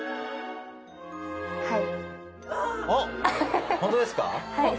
はい。